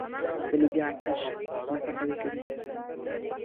د لوبیا کښت ځمکه قوي کوي.